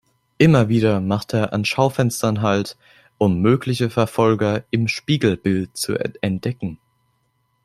Immer wieder macht er an Schaufenstern halt, um mögliche Verfolger im Spiegelbild zu entdecken.